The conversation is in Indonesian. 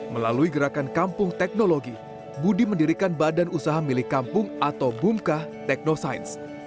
melalui gerakan kampung teknologi budi mendirikan badan usaha milik kampung atau bumka teknosains